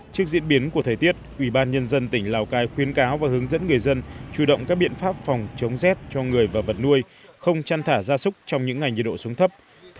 trước diễn biến của thời tiết quỹ ban nhân dân tỉnh lào cai khuyến cáo và hướng dẫn người dân chú động các biện pháp phòng chống rét cho người và vật nuôi không chăn thả ra súc trong những ngày nhiệt độ xuống thấp